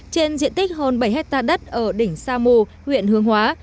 trên diện tích hơn bảy hectare đất ở đỉnh sa mù huyện hương hóa